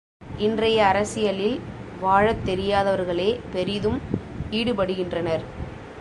இன்றைய அரசியலில் வாழத் தெரியாதவர்களே பெரிதும் ஈடுபடுகின்றனர்.